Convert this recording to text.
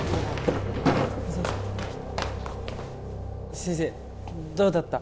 先生どうだった？